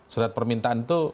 surat permintaan itu